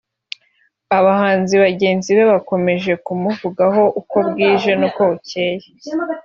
abahanzi bagenzi be bakomeje kumuvaho uko bwije n’uko bukeye